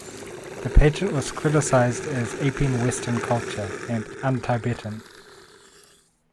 The pageant was criticized as "aping western culture" and "un-Tibetan".